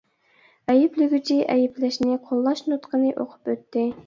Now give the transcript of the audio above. ئەيىبلىگۈچى ئەيىبلەشنى قوللاش نۇتقىنى ئوقۇپ ئۆتتى.